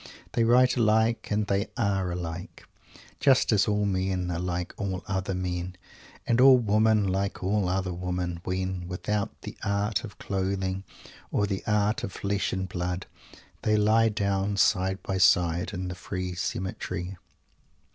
_ They write alike, and they are alike just as all men are like all other men, and all women like all other women, when, without the "art" of clothing, or the "art" of flesh and blood, they lie down side by side in the free cemetery.